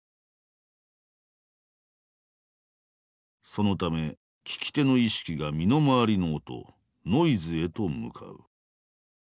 そのため聴き手の意識が身の回りの音ノイズへと向かう。